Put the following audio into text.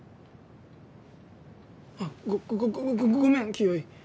あっごごごごめん清居。